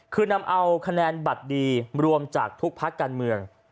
คือนำเอาขนาดดีบรวมจากทุกภาคการเมือง